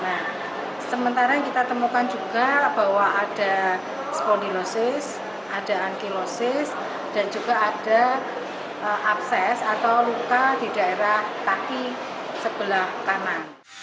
nah sementara yang kita temukan juga bahwa ada sponinosis ada ankilosis dan juga ada abses atau luka di daerah kaki sebelah kanan